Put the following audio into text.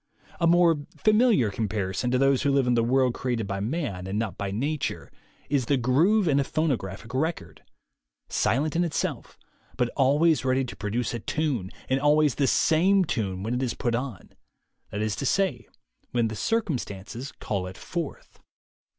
A more familiar comparison to those who live in the world created by man and not by nature is the groove in a phonograph record — silent in itself, but always ready to produce a tune, and always the same tune, when it is put on; that is to say, when the circumstances call it forth.